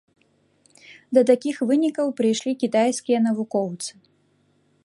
Да такіх вынікаў прыйшлі кітайскія навукоўцы.